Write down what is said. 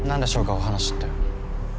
お話って。